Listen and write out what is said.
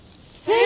え！